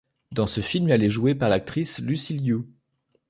Dans ce film, elle est jouée par l'actrice Lucy Liu.